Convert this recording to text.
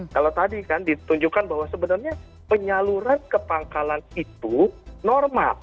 kalau tadi kan ditunjukkan bahwa sebenarnya penyaluran ke pangkalan itu normal